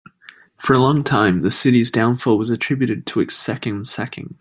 For a long time, the city's downfall was attributed to its second sacking.